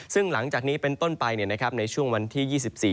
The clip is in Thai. ซึ่งหลังจากนี้เป็นต้นไปในช่วงวันที่๒๔